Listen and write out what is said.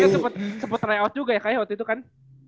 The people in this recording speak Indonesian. itu dia sempet try out juga ya kak ya waktu itu kan